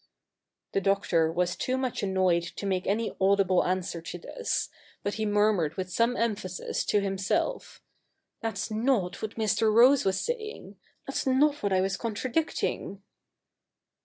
The Doctor was too much annoyed to make any audible answer to this ; but he murmured with some emphasis to himself, ' That's 7iot what Mr. Rose was saying ; that's not what I was contradicting.'